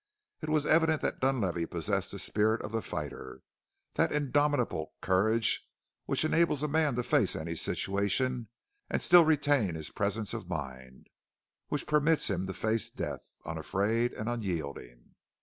It was evident that Dunlavey possessed the spirit of the fighter, that indomitable courage which enables a man to face any situation and still retain his presence of mind, which permits him to face death unafraid and unyielding.